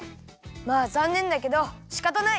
まあざんねんだけどしかたない。